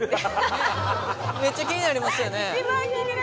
めっちゃ気になりますよね